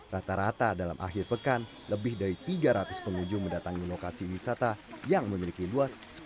rata rata dalam akhir pekan lebih dari tiga ratus pengunjung mendatangi lokasi wisata yang memiliki luas sepuluh meter